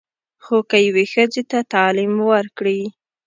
خو که یوې ښځې ته تعلیم ورکړې.